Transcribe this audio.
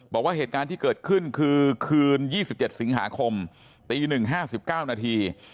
บอกว่าเหตุการณ์ที่เกิดขึ้นคือคืน๒๗สิงหาคมตี๑๕๙นาที